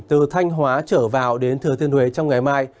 từ thanh hóa trở vào đến thừa thiên huế trong ngày mai